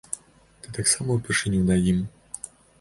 Ты таксама упершыню на ім.